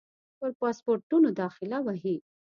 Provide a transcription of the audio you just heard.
پر پاسپورټونو داخله وهي.